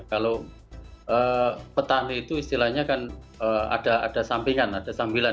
kalau petani itu istilahnya kan ada sampingan ada sambilan